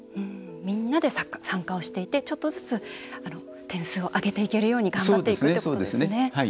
みんなで参加をしていってちょっとずつ点数を上げていけるように頑張っていくということですね。